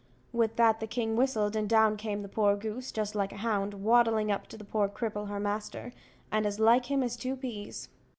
With that the king whistled, and down came the poor goose, just like a hound, waddling up to the poor cripple, her master, and as like him as two peas.